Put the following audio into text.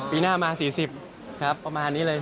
ปีหน้ามา๔๐ครับประมาณนี้เลย